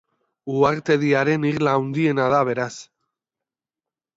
Uhartediaren irla handiena da, beraz.